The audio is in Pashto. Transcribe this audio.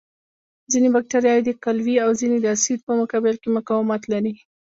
ځینې بکټریاوې د قلوي او ځینې د اسید په مقابل کې مقاومت لري.